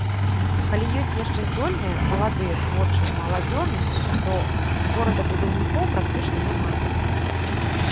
Калі ёсць яшчэ здольныя, маладыя, творчыя маладзёны, то горадабудаўнікоў практычна няма.